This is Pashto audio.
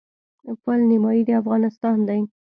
پل نیمايي د افغانستان دی.